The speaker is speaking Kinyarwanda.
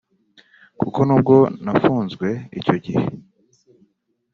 kuko n’ubwo nafunzwe icyo gihe